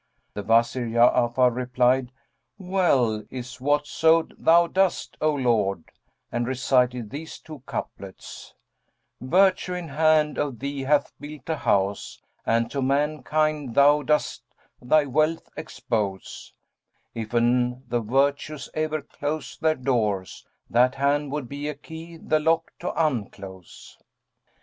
The Wazir Ja'afar replied, "Well is whatso thou doest, O our lord," and recited these two couplets, "Virtue in hand of thee hath built a house, * And to mankind thou dost thy wealth expose: If an the virtues ever close their doors, * That hand would be a key the lock to unclose."